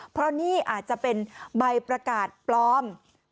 เพราะนี่อาจจะเป็นใบประกาศปลอม